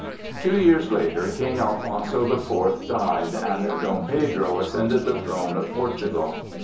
Two years later, King Alfonso the Fourth died, and Dom Pedro ascended the throne of Portugal.